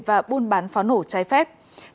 và buôn bán phó nổ trái phép